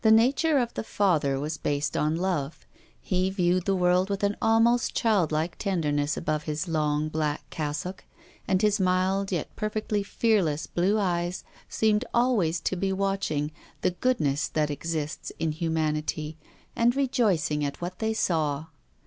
The na ture of the Father was based on love. He viewed the world with an almost childlike tender ness above his long, black cassock ; and his mild, yet perfectly fearless, blue eyes .seemed always to be watching the goodness that exists in hu manity, and rejoicing at what they saw.